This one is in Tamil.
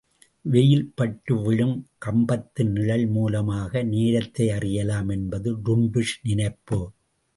வெயில் பட்டு விழும் கம்பத்தின் நிழல் மூலமாக நேரத்தையறியலாம் என்பது டுன்டுஷ் நினைப்பு.